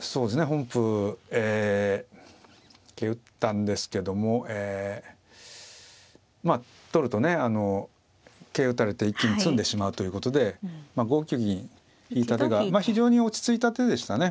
本譜桂打ったんですけどもまあ取るとね桂打たれて一気に詰んでしまうということで５九銀引いた手が非常に落ち着いた手でしたね。